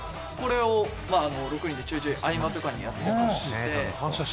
これを６人でちょいちょい合間とかにやっていて。